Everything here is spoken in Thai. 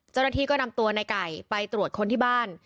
เจ้าหน้าที่ก็นำตัวในไก่ไปตรวจคนที่บ้าน